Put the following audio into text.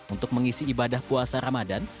untuk mengisi ibadah puasa ramadan